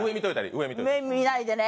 目を見ないでね。